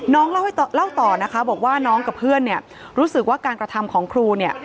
น้องเล่าต่อนะคะบอกว่าน้องกับเพื่อนเนี่ยรู้สึกว่าการกระทำของครูเนี่ย